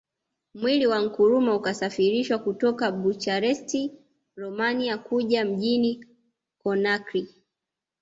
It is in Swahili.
Mwili wa Nkrumah ukasafirishwa kutoka Bucharest Romania Kuja mjini Conakry